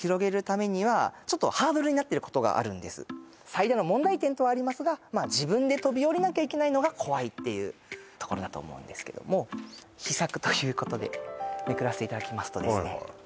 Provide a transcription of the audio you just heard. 最大の問題点とありますが自分で飛び降りなきゃいけないのが怖いっていうところだと思うんですけども秘策ということでめくらせていただきますとですね